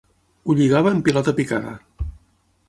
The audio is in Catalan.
Ho lligava en pilota picada.